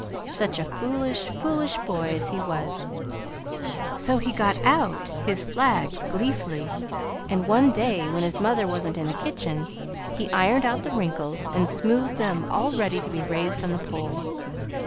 Such a foolish, foolish boy as he was! "So he got out his flags gleefully, and one day, when his mother wasn't in the kitchen, he ironed out the wrinkles and smoothed them all ready to be raised on the pole.